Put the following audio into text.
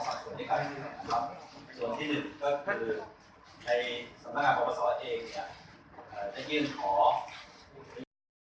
ซึ่งในขณะนี้ที่สำนักงานประวัติศาสตร์จะยืนการประสาทและสมบูรณ์แล้วนะครับ